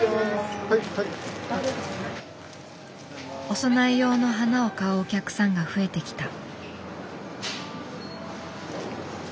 お供え用の花を買うお客さんが増えてきた。